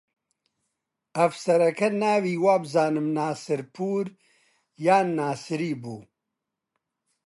ئەفسەرەکە ناوی وابزانم ناسرپوور یان ناسری بوو